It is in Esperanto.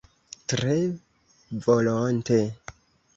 Tre volonte.